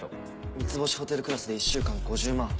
三つ星ホテルクラスで１週間５０万。